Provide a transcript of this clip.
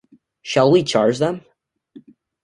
Shall we charge them?